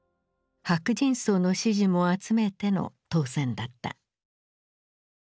白人層の支持も集めての当選だった。